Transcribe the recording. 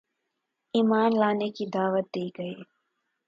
ایمان لانے کی دعوت دی گئی ہے